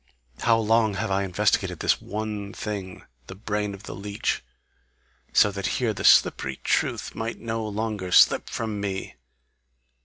How long have I investigated this one thing, the brain of the leech, so that here the slippery truth might no longer slip from me!